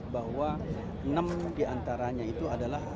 bahwa enam diantaranya itu adalah